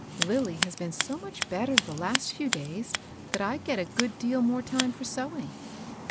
Lilly has been so much better the last few days that I get a good deal more time for sewing."